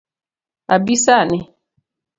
Abi sani?